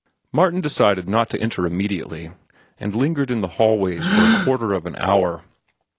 Martin decided not to enter immediately, and lingered in the hallways for a quarter of an hour.